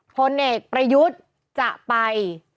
พลเอกประยุทธ์จะไป